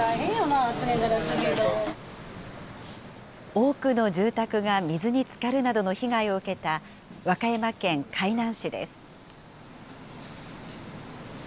多くの住宅が水につかるなどの被害を受けた和歌山県海南市です。